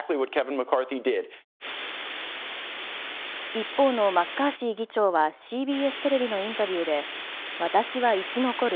一方のマッカーシー議長はＣＢＳテレビのインタビューで私は生き残る。